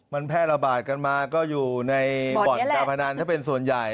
มันแพร่ระบาดกันมาก็อยู่ในบ่อนการพนันถ้าเป็นส่วนใหญ่